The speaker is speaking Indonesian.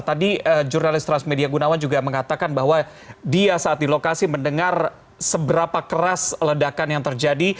tadi jurnalis transmedia gunawan juga mengatakan bahwa dia saat di lokasi mendengar seberapa keras ledakan yang terjadi